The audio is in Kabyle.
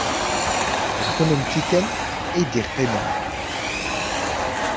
D kennemti kan ay d-yeqqimen.